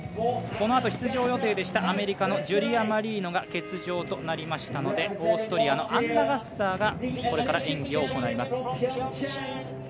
このあと出場予定でしたアメリカのジュリア・マリーノが欠場となりましたのでオーストリアのアンナ・ガッサーがこれから演技を行います。